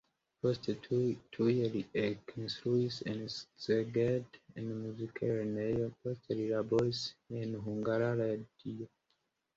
Poste tuj li ekinstruis en Szeged en muziklernejo, poste li laboris en Hungara Radio.